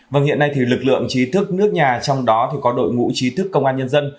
vâng hiện nay thì lực lượng trí thức nước nhà trong đó thì có đội ngũ trí thức công an nhân dân